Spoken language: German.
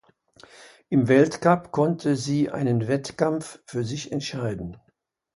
Im Weltcup konnte sie einen Wettkampf für sich entscheiden.